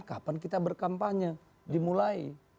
kapan kita berkampanye dimulai